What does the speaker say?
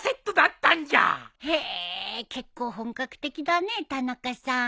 へぇ結構本格的だね田中さん。